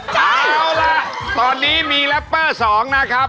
เอาล่ะตอนนี้มีแรปเปอร์๒นะครับ